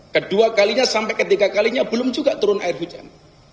kedua kalinya sampai ketiga kalinya belum juga turun air hujan